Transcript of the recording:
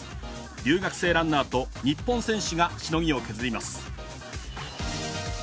留学生ランナーと日本選手がしのぎを削ります。